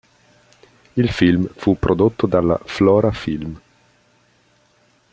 Il film fu prodotto dalla Flora-Film.